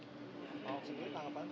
pak ahok sendiri tanggapan tadi ini